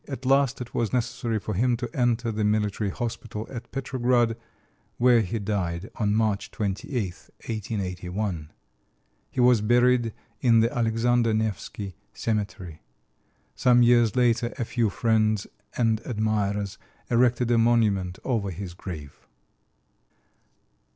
At last it was necessary for him to enter the military hospital at Petrograd, where he died on March 28, 1881. He was buried in the Alexander Nevsky cemetery. Some years later a few friends and admirers erected a monument over his grave.